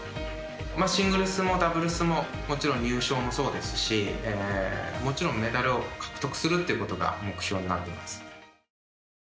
シングルスもダブルスももちろん入賞もそうですしもちろんメダルを獲得するっていうことが目標になっています。